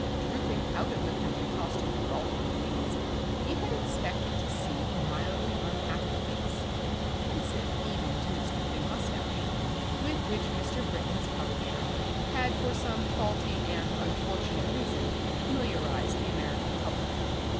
Drooping out of the country costume of golfing tweeds he had expected to see the mildly unhappy face, pensive even to its drooping moustache, with which Mr. Britling's publisher had for some faulty and unfortunate reason familiarised the American public.